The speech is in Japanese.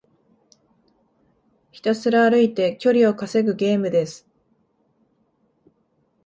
ひたすら歩いて距離を稼ぐゲームです。